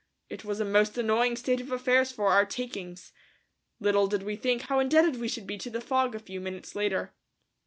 It was a most annoying state of affairs for our "takings." Little did we think how indebted we should be to the fog a few minutes later.